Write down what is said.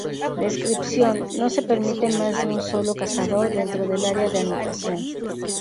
Descripción: no se permite más de un solo Cazador dentro del área de anotación.